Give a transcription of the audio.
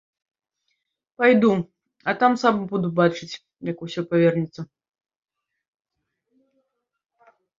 Пайду, а там сам буду бачыць, як усё павернецца.